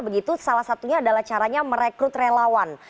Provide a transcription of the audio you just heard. begitu salah satunya adalah caranya merekrut relawan